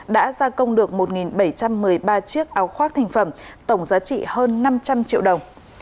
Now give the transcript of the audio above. đã gia công được một bảy trăm một mươi ba chiếc áo khoác thành phẩm tổng giá trị hơn năm trăm linh triệu đồng